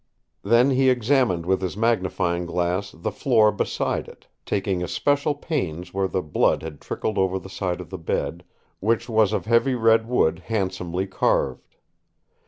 Then he examined with his magnifying glass the floor beside it, taking especial pains where the blood had trickled over the side of the bed, which was of heavy red wood handsomely carved.